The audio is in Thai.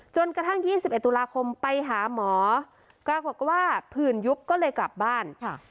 จนกระทั่งยี่สิบเอ็ดตุลาคมไปหาหมอก็บอกว่าผื่นยุบก็เลยกลับบ้าน